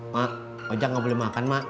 mak aja nggak boleh makan mak